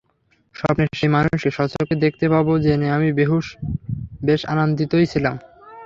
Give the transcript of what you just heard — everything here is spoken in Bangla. স্বপ্নের সেই মানুষকে স্বচক্ষে দেখতে পাবো জেনে আমি বেশ আনন্দিতই ছিলাম।